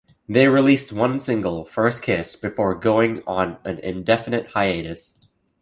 They released one single, "First Kiss", before going on an indefinite hiatus.